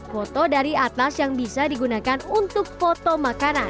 foto dari atas yang bisa digunakan untuk foto makanan